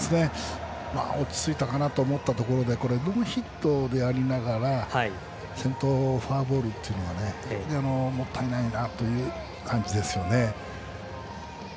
落ち着いたかなと思ったところでノーヒットでありながら先頭フォアボールというのはもったいないなという感じですね。